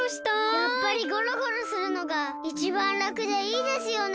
やっぱりゴロゴロするのがいちばんらくでいいですよね。